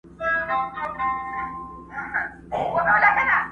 پلار پوليسو سره کمزوری ښکاري او مات حالت لري تل